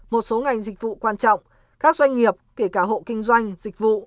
một số ngành dịch vụ quan trọng các doanh nghiệp kể cả hộ kinh doanh dịch vụ